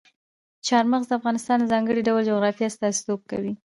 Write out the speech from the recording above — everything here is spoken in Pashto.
چار مغز د افغانستان د ځانګړي ډول جغرافیه استازیتوب کوي.